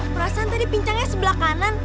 perasaan tadi pincangnya sebelah kanan